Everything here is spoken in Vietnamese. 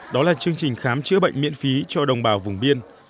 đó là chương trình khám chữa bệnh miễn phí cho đồng bào vùng biên